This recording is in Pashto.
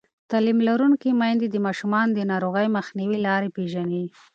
تعلیم لرونکې میندې د ماشومانو د ناروغۍ مخنیوي لارې پېژني.